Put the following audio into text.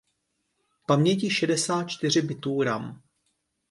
Paměti šedesát čtyři bitů Ram